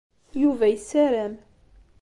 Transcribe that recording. Yuba yessaram.